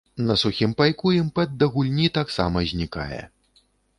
На сухім пайку імпэт да гульні таксама знікае.